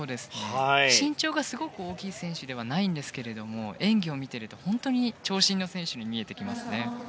身長がすごく大きい選手ではないんですが演技を見ていると本当に長身の選手に見えてきますね。